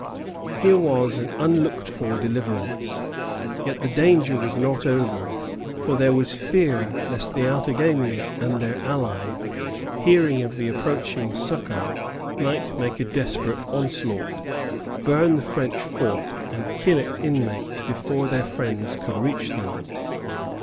Here was an unlooked for deliverance. Yet the danger was not over; for there was fear lest the Outagamies and their allies, hearing of the approaching succor, might make a desperate onslaught, burn the French fort, and kill its inmates before their friends could reach them.